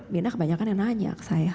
mirna kebanyakan yang nanya ke saya